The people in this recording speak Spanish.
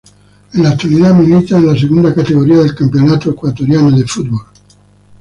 En la actualidad milita en la Segunda Categoría del Campeonato Ecuatoriano de Fútbol.